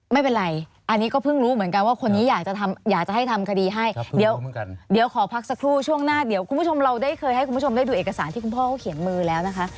ไม่เป็นไรอันนี้ก็เพิ่งรู้เหมือนกันว่าคนนี้อยากจะให้ทำคดีให้เดี๋ยวขอพักสักครู่ช่วงหน้าเดี๋ยวคุณผู้ชมเราได้เคยให้คุณผู้ชมได้ดูเอกสารที่คุณพ่อเขาเขียนมือแล้วนะคะ